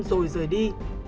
rồi rời đi